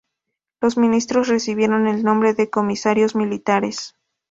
Los ministros recibieron el nombre de "Comisarios Militares".